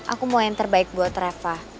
aku mau yang terbaik buat reva